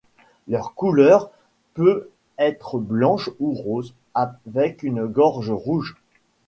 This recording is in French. Leur couleur peut être blanche ou rose avec une gorge rouge.